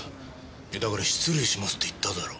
いやだから失礼しますって言っただろ？